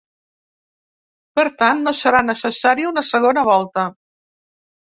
Per tant, no serà necessària una segona volta.